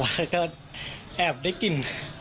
เพราะว่าก็แอบได้กิน